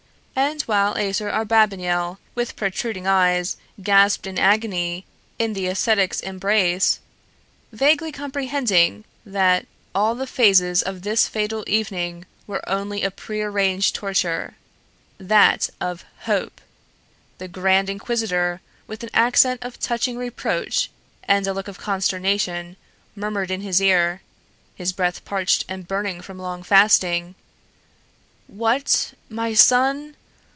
And while Aser Abarbanel with protruding eyes gasped in agony in the ascetic's embrace, vaguely comprehending that all the phases of this fatal evening were only a prearranged torture, that of HOPE, the Grand Inquisitor, with an accent of touching reproach and a look of consternation, murmured in his ear, his breath parched and burning from long fasting: "What, my son!